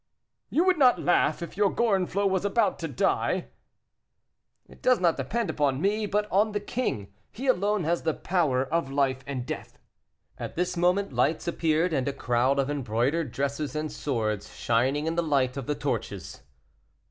"You would not laugh if your Gorenflot was about to die." "It does not depend upon me, but on the king; he alone has the power of life and death." At this moment lights appeared, and a crowd of embroidered dresses and swords shining in the light of the torches.